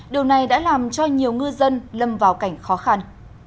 điều này đã làm cho nhiều ngư dân lâm vào cảnh khó khăn